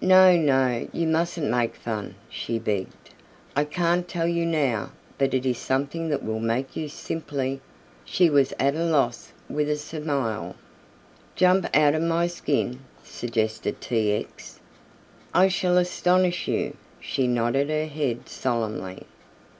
"No, no, you mustn't make fun," she begged, "I can't tell you now, but it is something that will make you simply " she was at a loss for a simile. "Jump out of my skin?" suggested T. X. "I shall astonish you," she nodded her head solemnly.